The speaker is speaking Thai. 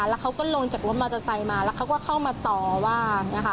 แล้วเขาก็ลงจากรถมอเตอร์ไซส์มาแล้วเขาก็เข้ามาต่อว่า